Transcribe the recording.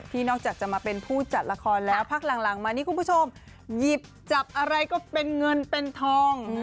นอกจากจะมาเป็นผู้จัดละครแล้วพักหลังมานี่คุณผู้ชมหยิบจับอะไรก็เป็นเงินเป็นทอง